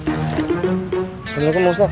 assalamualaikum bang ustaz